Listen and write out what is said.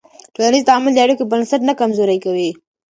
ټولنیز تعامل د اړیکو بنسټ نه کمزوری کوي.